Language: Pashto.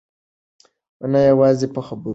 نه یوازې په خبرو کې.